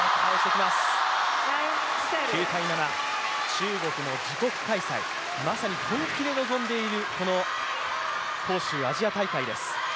中国の自国開催、まさに本気で臨んでいるこの杭州アジア大会です。